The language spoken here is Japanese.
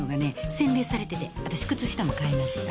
洗練されててあたし靴下も買いました。